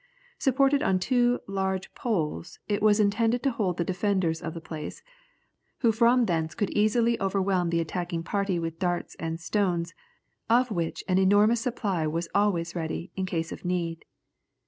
Supported on two large poles, it was intended to hold the defenders of the place, who from thence could easily overwhelm the attacking party with darts and stones, of which an enormous supply was always ready in case of need.